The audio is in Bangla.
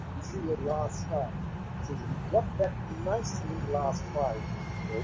সন্দীপবাবু কি আমার মধ্যে দেশের সেই জাগ্রত শক্তিকে দেখতে পাবেন?